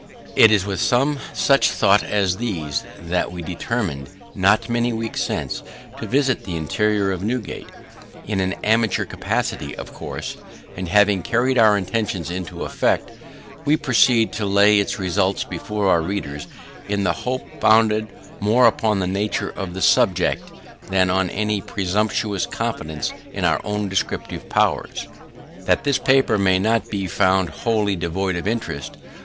It was with some such thoughts as these that we determined, not many weeks since, to visit the interior of Newgate in an amateur capacity, of course; and, having carried our intention into effect, we proceed to lay its results before our readers, in the hope founded more upon the nature of the subject, than on any presumptuous confidence in our own descriptive powers that this paper may not be found wholly devoid of interest.